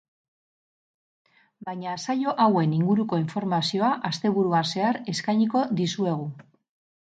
Baina saio hauen inguruko informazioa asteburuan zehar eskainiko dizuegu.